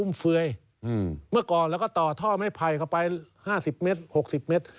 เมื่อก่อนเราก็ต่อท่อไม่ไภมาไป๕๐เมตร๖๐เมตร